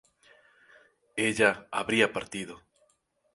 ella habría partido